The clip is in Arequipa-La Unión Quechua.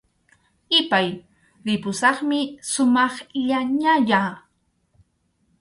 Ipay, ripusaqmi sumaqllañayá